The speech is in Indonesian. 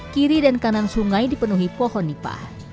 kiri dan kanan sungai dipenuhi pohon nipah